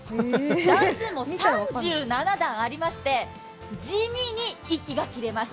段数も３７段ありまして地味に息が切れます。